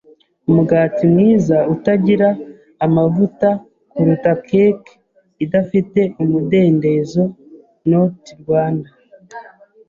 Umugati mwiza utagira amavuta kuruta cake idafite umudendezo. (notrwanda)